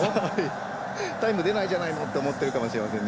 タイムでないじゃないの！って思ってるかもしれません。